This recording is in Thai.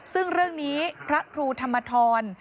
ซึ่งเรื่องนี้พระครูธรรมทร